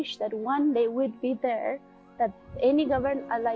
saya berharap suatu hari mereka akan berada di sana